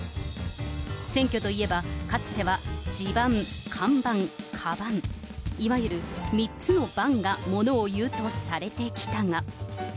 選挙といえば、かつては、地盤、看板、カバン、いわゆる３つのバンがものを言うとされてきたが。